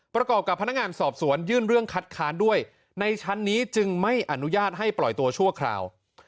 ประกอบกับพนักงานสอบสวนยื่นเรื่องคัดค้านด้วยในชั้นนี้จึงไม่อนุญาตให้ปล่อยตัวชั่วคราว